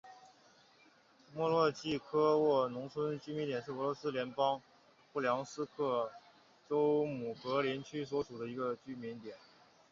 莫洛季科沃农村居民点是俄罗斯联邦布良斯克州姆格林区所属的一个农村居民点。